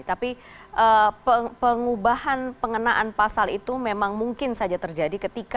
tapi pengubahan pengenaan pasal itu memang mungkin saja terjadi ketika